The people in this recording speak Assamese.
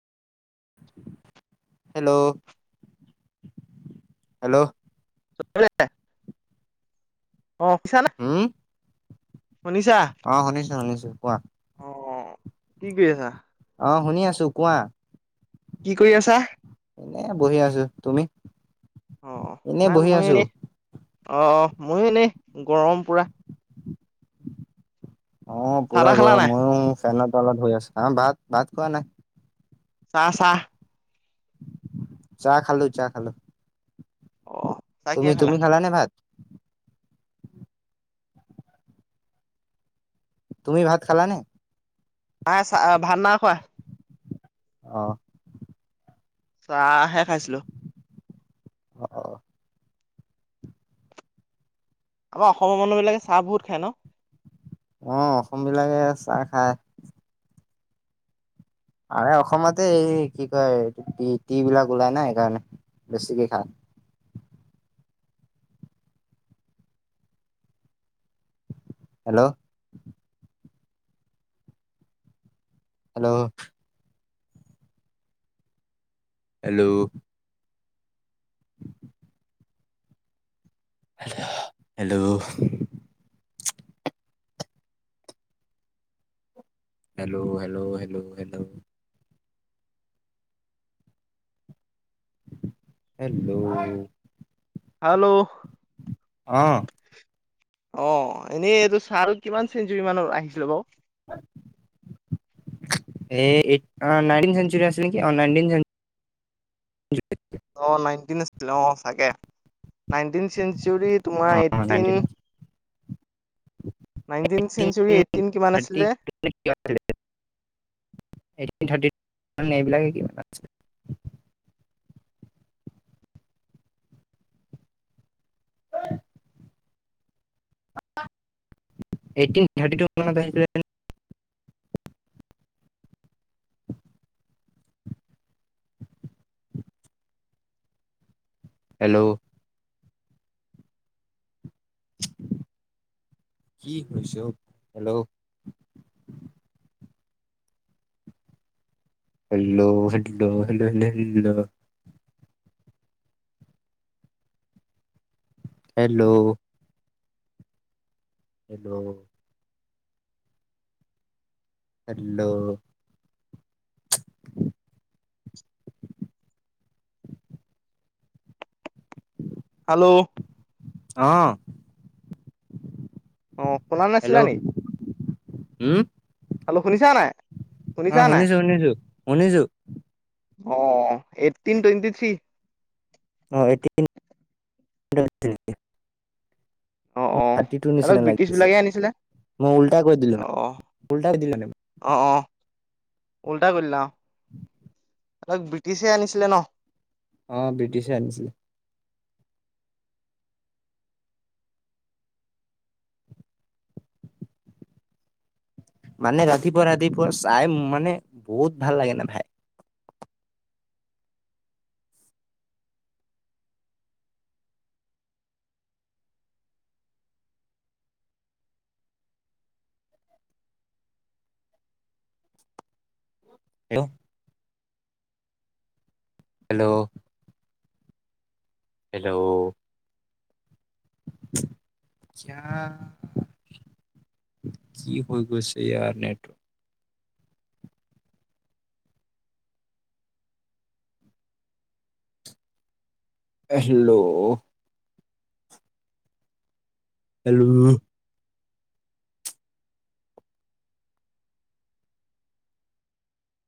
Hello, hello. [unintelligible] অ' [unintelligible] উম শুনিছা অ', শুনিছো শুনিছো, কোৱা? অ কি কৰি আছা? অ', শুনি আছো কোৱা। কি কৰি আছা? এনে বহি আছো তুমি অ এনে নাই বহি মই আছো এনেই অ', ময়ো এনেই গৰম পুৰা অ', চাহ পুৰা তাহ খালা গৰম নাই ময়ো ফেনত অলত হৈ আছো আহ ভাত ভাত খোৱা নাই চাহ চাহ খালো চাহ খালো অ চাহ তুমি কিহে তুমি খালা নে ভাত? তুমি ভাত খালা নে? আহ চা ভাত না খোৱা আহ, চাহাহে খাইছিলো আহ, আমাৰ অসমৰ মানুহ বিলাকে চাহ বহুত খায় ন? আহ অসম বিলাকে চাহ খায় আ অসমতে এই কি কয় এই টি বিলাক ওলাই নাই সেইকাৰণে বেছিকে খা hello hello hello hello hello hello hello hello hello hello আহ, অ', এনেই এইটো ছাৰ কিমান চেঞ্চুুৰী মানৰ আহিছিলো বাৰু এ এইট নাইনটিন চেন্ঝৰি আছিল নাকি অ', নাইনটিন আছিলে অ চাগে নাইনটিন চেঞ্চুৰী তোমাৰ অ এইটটিন ট চেঞ্চুৰী এইটিন কিমান থাৰট আছিলে এইটটিন থান্ট্ৰিন এইবিলাকে কিমান আ হয়। এইটিন থাৰ্টি টু ম হেল্ল' কি হৈছ হেল্ল' হল' ভল হল লল হেল্ল' এইটো হেল্ল' হেল্ল' অ', অ', শুনা হেল্ল' নাছিলা নে উম খলো শুনিছা নাই? অ', শুনিছা নাই শুনিছো শুনিছো শুনিছো অ ', এইট টুৱেণ্টি থ্ৰী অ', এইটিন থি অ অ মোক থাৰ্তিটু অলপ নিচিনা ব্ৰিটিছ লাগি আছে বিলাকে আনিছিলে মই উল্তা কৰি দিলো অ ন উল্টাই কৰি দিলো নে অ অ অ উল্টা কৰিলা [inaudible] তাক ব্ৰিটিছে আনিছিলে ন? অ', ব্ৰিটিছে আনিছিলে। মানে ৰাতিপুৱা ৰাতিপুৱা চাই মানে বহুত ভাল লাগে ন ভাই। [inaudible] হেল্ল'। হেল্ল'? যা কি হৈ গৈছে ইয়াৰ নেট এ হেল্ল'। হেল্ল'।